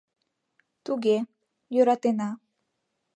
— Туге, йӧратена.